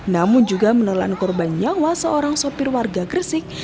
namun juga menelan korban nyawa seorang sopir warga gresik